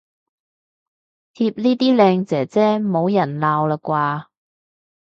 貼呢啲靚姐姐冇人鬧喇啩